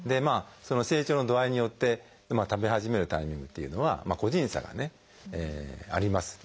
成長の度合いによって食べ始めるタイミングっていうのは個人差がねあります。